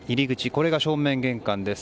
これが正面玄関です。